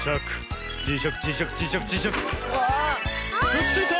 くっついた！